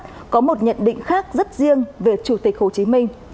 đã có một định khác rất riêng về chủ tịch hồ chí minh